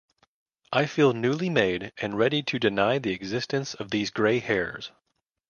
I feel newly made and ready to deny the existence of these grey hairs.